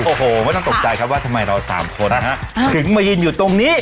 โอ้โหไม่ต้องตกใจครับว่าทำไมเราสามคนนะฮะถึงมายืนอยู่ตรงนี้